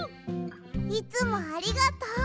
いつもありがとう！